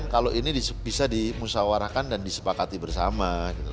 kalau ini bisa dimusawarakan dan disepakati bersama